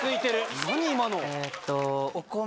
何今の。